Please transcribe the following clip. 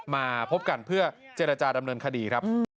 มาพบกันเพื่อเจรจาดำเนินคดีครับ